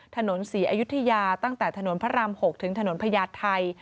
ถนนศรีอยุธยาตั้งแต่ถนนพระราม๖ถึงถนนพญาไทย